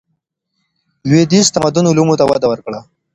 لوېدیځ تمدن علومو ته وده ورکړه.